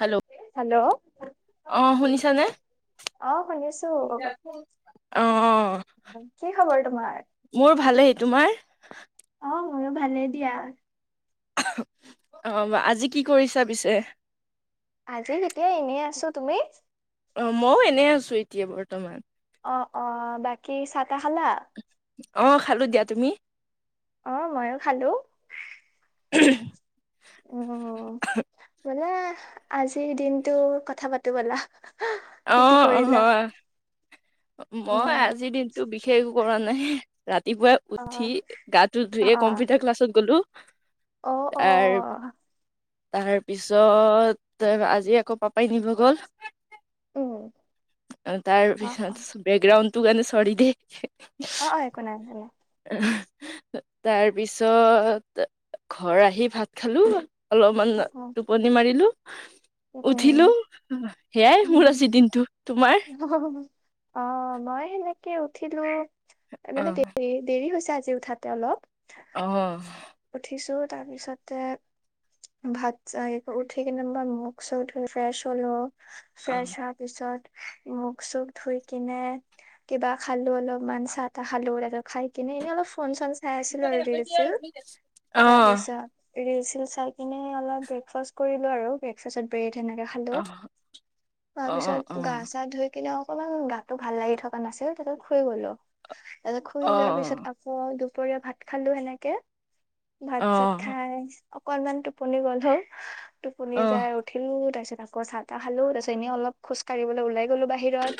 Hello hello? অ শুনিছানে? অ' শুনিছোঁ। অ কি খবৰ তোমাৰ? মোৰ ভালেই। তোমাৰ? অ' মোৰো ভালে দিয়া। অ' আজি কি কৰিছা পিছে? আজি এতিয়া এনেই আছোঁ। তুমি? অ' মওঁ এনেই আছো এতিয়া বৰ্তমান। অঁ, অঁ বাকী চাহ তাহ খালা? অ' খালো দিয়া। তুমি? অঁ ময়ো খালোঁ। [unintelligible] অ' ব'লা আজিৰ দিনটো কথা পাতো ব'লা। কি কি অ', কৰিলা অ' মই উম আজিৰ দিনতটো বিশেষ কৰা নাই। ৰাতিপুৱাই অ উঠি গাটো অ ধুইয়ে কম্পিউটাৰ ক্লাছত গ'লো অ অ অ তাৰ তাৰ পিছত আজি আকৌ পাপাই নিব গ'ল উম অ অ তাৰপিছত বেকগ্ৰাউণ্ড টো কাৰণে চৰি দে। অ', অ' একো নাই তাৰ পিছত ঘৰ আহি ভাত খালো অলপমান অ অ টোপনি মাৰিলো উম উঠিলো সেয়াই উম মোৰ আজি দিনটো। তোমাৰ? অ' মই সেনেকে উঠিলো অ মানে দেৰি দেৰি হৈছে আজি উঠাতে অলপ অ' উঠিছো তাৰপিছতে ভাত চ উঠি কিনো মই মুখ চুখ ধুই ফ্ৰেছ হ'লো। অ অ ফ্ৰেছ হ পিছত মুখ চুখ ধুই কিনে কিবা খালো অলপমানান চাহ তাহ খালো তাৰপিছত খাই কিনে এনেই অলপ ফোন চন চাই আছিলো আৰু ৰিল চিল। তাৰ অ পিছত ৰিল চিল চাই কিনে অলপ ব্ৰেকফাষ্ট কৰিলো আৰু ব্ৰেকফাষ্টত ব্ৰেদ সেনেকে অ খালো অ অ তাৰ অ পিছত গা চা ধুই কিন্তু অকমান গাতটো ভাল লাগি থকা নাছিল তাপছত শুই গলো তাৰপিছত শুই যোৱাৰ পিছত আকৌ দুপৰীয়া ভাত খালো সেনেকে। ভাত অ অ অ অ অ চাত খাই অকনমান টোপনি গল টোপনি অ যাই উ উঠিলোঁ তাৰপিছ আকৌ চাহ তাহ খালো তাৰপিছত এনে অলপ খোজ কাঢ়িব ওলাই গলো বা বাহিৰত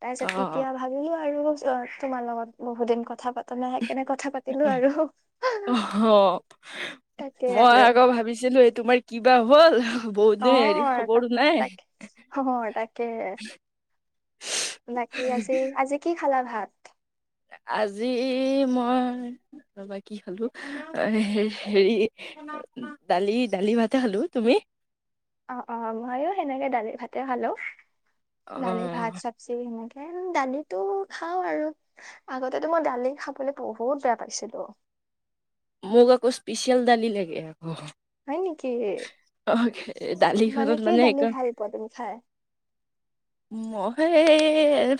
তাৰপিছত অ অ এতিয়া ভাবিলো আৰু তোমাৰ লগত বহুত দিন কথা প পতা নাই সেইকাৰণে কথা পাতিলো আৰু। অ', তাকে মই আৰু আকৌ ভাবিছিলো এই তোমাৰ কিবা হ'ল। অ বহুতদিন হেৰি তাক খবৰো নাই। তাকে অ বাকি আজি আজি কি খালা ভাত? আজি মই ৰবা কি খালো হেৰি দালি দালি ভাতে খালো তুমি? অ', অ' মইও সেনেকে দালি ভাতে খালো অ দালি ভাত চ চবজি সেনেকে দালিটো খাওঁ আৰু। আগতেতো মই দালি খাবলৈ বহুত বেয়া পাইছিলো। মোক আকৌ স্পেচিয়েল দালি লাগে আকৌ। হয় নেকি অ মানে দালিখনত কি দালি একদম ভাল পোৱা তুমি খাই? [inaudible] মইে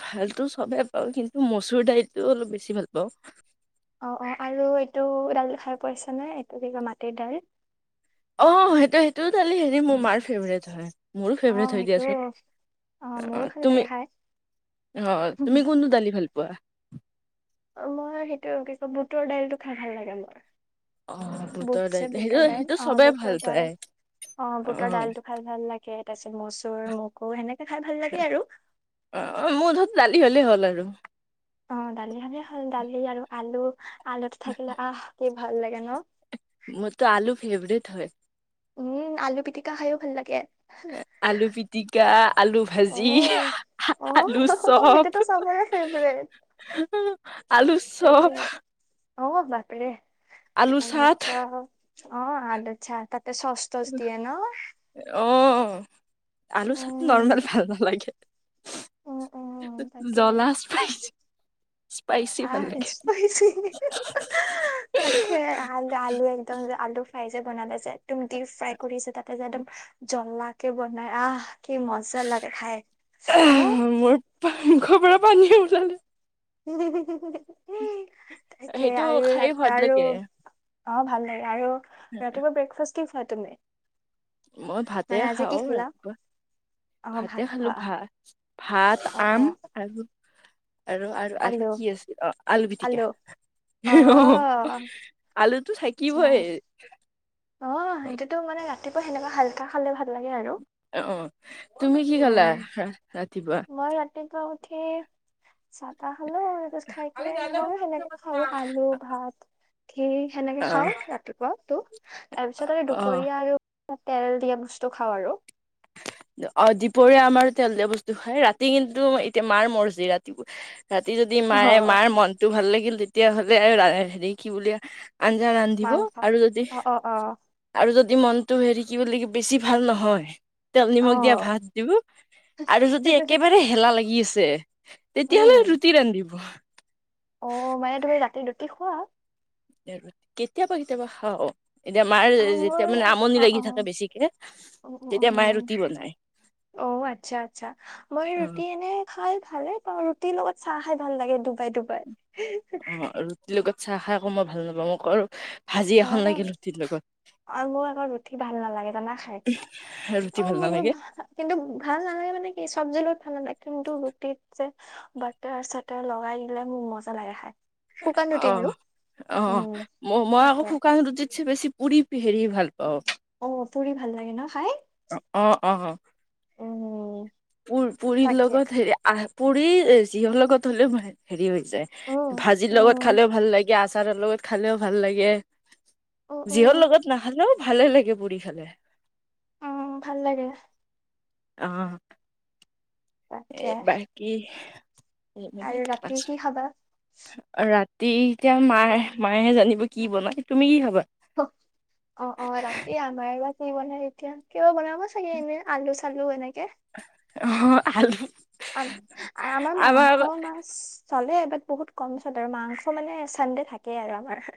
ভালতো চবে পাওঁ কিন্তু মচুৰ দালিটো অলপ বেছি ভাল পাওঁ। অঁ', অঁ', আৰু এইটো ডাল খাই পাইছনে এইটো কি কয় মাটিৰ দাইল? অ', সেইটো সেইটোও দালি হেৰি মোৰ মাৰ ফেভৰেট হয়। মোৰো ফেভাৰেট অ', হৈ সেইটো দিয়াচোন অ', মোৰো আহ ভাল লাগে তুমি খাই। অ', তুমি কোনটো দালি ভাল পোৱা? অ', মই সেইটো কি কয় বুটৰ দাইলটো খাই ভাল লাগে মোৰ। অ' বুটৰ বুটছে দাইল সেইটো বুটৰ দাইল সেইটো অ', চবেই ভাল বুটৰ পায় দাইল। অ', বুটৰ দাইল টো খাই ভাল লাগে তাৰপিছত মচুৰ মগু সেনেকে খাই ভাল লাগে আৰু। অ', অ', মোৰ ধৰত দালি হলেই হ'ল আৰু। অ', দালি খালে হ'ল দালি আৰু আলু আলুটো থাকিলে আহ কি ভাল লাগে ন! মোৰ তো আলু ফেভৰেট হয়। উম, আলু পিটিকা খায়ো ভাল লাগে। আলু পি পিটিকা আলু ভাজি অ', অ', আলু চপ। সেইটোতো চবৰে ফেভৰেট আলু তাকে। চপ। অ', বাপৰে আলু চা অ', আলু চা তাতে চচ দিয়ে ন? অ', আলু চাত উম, নৰমেল ভাল নালাগে। উম, উম, তাকে জলা স্পাইছি স্পাইচি ভাল আহ লাগে। [inaudible] তাকে আল আলু একদম যে আলু ফ্ৰাই যে বনালে যে একদম ডিপ ফ্ৰাই কৰিছেো তাতে যে একদম জ্বলা কে বনাই আহ কি মজা লাগে খাই। ন? মোৰ মুখৰ পৰা পানীয়ে ওলালে। তাকে আৰু তকে সেইটো খাই সোৱাদ আৰু লাগে। অ', ভাল লাগে আৰু ৰাতিপুৱা ব্ৰেকফাষ্ট কি খোৱা তুমি? মই ভাতে মানে আজি কি খাওঁ খালা? ৰাতিপুৱা। অ' ভাতে ভাত খালো খোৱা ভাত ভাত অ' আম অ' আৰু আৰু আৰু আলু কি আ অ', আলু পিটিকা অ', আলুটো আচ্ছা থাকিবই। অ সেইটোতো মানে ৰাতিপুৱা সেনেকুৱা হালকা খালে ভাল লাগে আৰু অ অ তুমি কি ক'লা ৰাতিপুৱা গ উঠে চটা হলে তাৰপিছ খাই কিনে মইো সেনেকে খালওঁ আলু ভাত স সেনেকে অ খাও ৰাতিপুৱা তোক তাৰ পিছত আৰুি অ দুপৰীয়া আৰু তেল দিয়া বস্তু খাওঁ আৰু অ দীপৰীয়া আমাৰ তেল বস্তু হয় ৰাতি কিন্তু এতিয়া মাৰ মৰজি ৰাতি ৰাতি যদি অ মায়ে মাৰ মনটো ভাল লাগিল তেতিয়াহ'লে আৰু হেৰি কি ব আঞ্জা ৰান্ধিব মাংস আৰু যদি অ অ অ আৰু যদি মনটো হেৰি কি বুলি বেছি ভাল নহয় তেল অ নিমখ দিয়া ভাত দিব আৰু যদি একেবাৰে হেলা লাগি আছে উম তেতিয়াহ'লে ৰুটি ৰান্ধিব অ মানে তুমি ৰাতি ৰুতি খুৱোৱা কেতিয়াবা কেতিয়াবা খাওঁ এতিয়া মাৰ অ যেতিয়া মোৰ মানে আমনি অ লাগি অ থাকে বেছিকে উম উম তেতিয়া উম মায়ে ৰুটি বনায় অ আচ্ছা আচ্ছা মই অ ৰুটি এনে খাই ভালে পাৰ ৰুটিৰ লগত চাহ খাই ভাল লাগে ডুবাই ডুবাই অ ৰুটিৰ লগত চাহ খাই আকৌ মই ভাল নাপাওঁ মোক আৰু ভাজি এখন লাগে ৰুটিৰ লগত অ মোক আকৌ ৰুটি ভাল নালাগে জানা খাই ৰুটি অ ভাল মোক কিবা নালাগে ভ কিন্তু ভাল নালাগে মানে কি চব্জি লৈ ভাল নালাগে কিন্তু ৰুটিত যে বাটাৰ চাটাৰ লগাই দিলে মোৰ মজা লাগে খাই অ চিকানটিংৰু অ উম ম মই আকৌ তাকে শুকান ৰুটিত বেছি পুৰি পিহেৰি ভাল পাওঁ অ', পুৰি ভাল লাগে ন খাই অ অ উম প পৰিৰ তাকে লগত হেৰি পুৰি চিহৰ লগত হ'লেও হেৰি যে উম। ভাজিৰ লগত উম খালেও ভাল লাগে আচাৰৰ লগত খালেও ভাল লাগে উম উম যিহৰ লগত নাখালেও ভালে লাগে পুৰি খালে উম ভাল লাগে অ এ তাকে বাকী আৰু ৰাতিয়ে কি খাবা ৰাতি এতিয়া মায়ে মায়েহে জানিব কি বনাই তুমি কি খাবা ক অ অ ৰাতি আমাৰ বা কি বনায় এতিয়া কিবা বনাব চাগে এনে আলু চালু এনেকে। অ আলু আ -আমাৰ আমাৰ মাংস মাছ চলে বাট বহুত কম চলে আৰু মাংস মানে চানডে থাকেই আৰু আমাৰ।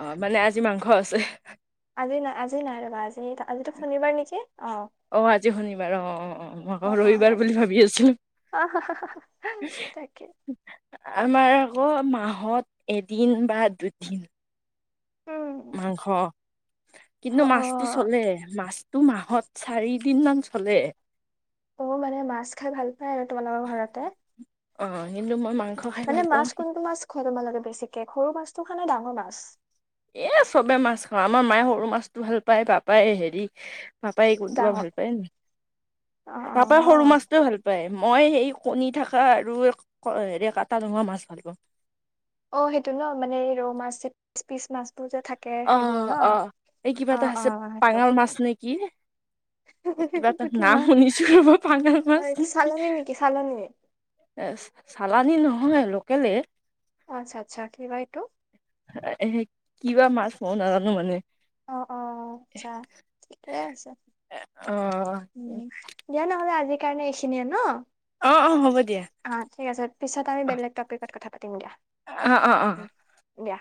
অ মানে আজি মাংস আছে। আজি নাই আজি নাই ৰ'বা আজি আজিতো শনিবাৰ নেকি অঁ। অ আজি শনিবাৰ অ অ অ মই আকৌ ৰবিবাৰ তাকে বুলি ভাবি আছিলো। অ তাকে আমাৰ আকৌ মাহত এদিন বা দুদিন উম মাংস অ কিন্তু অ মাছ টো চলে মাছটো মাহত চাৰি দিন মান চলে। অ মানে মাছ খাই ভাল পায় আৰু তোমালোকৰ ঘৰতে। অ হিন্দু মই মাংস খাই মানে ভাল পাওঁ মাছ কোনটো মাছ খোৱা বেছিকে সৰু মাছটো খানে ডাঙৰ মাছ। এ চবে মাছ খাওঁ আমাৰ মায়ে সৰু মাছটো ভাল পায় পাপাই হেৰি পাপাই কোনটো বা ডাঙৰ ভাল পায় অ পাপা অ সৰু মাছ ভাল পায়, মই সেই কণী থকা আৰু হেৰি কটা নোহোৱা মাছ ভাল পাওঁ। অ, সেইটো ন মানে ৰৌ মাছ পি-পিচ মাছবোৰ যে থাক অঁ, অ, এই কিবা এটা অ আছে সেইটো পাঙাল মাছ নে কি। কিবা এটা সেইটো কি নাম মাছ শুনিছো ৰব পাঙাল মাছ নে কি। চালনী নেকি চালনী চালানী নহয় লোকেলে। অ, আচ্ছা-আচ্ছা কি হয় এইটো? কিবা মাছ মইও নাজানো মানে। অ, অ, আচ্ছা ঠিকেই আছে। অ দিয়া নহ'লে আজিৰ কাৰণে এইখিনিয়ে ন। অ, অ, হ'ব দিয়া। অ, ঠিক আছে, পিছত আমি বেলেগ টপিকত কথা পাতিম দিয়া। অ, অ, অ। উম, দিয়া।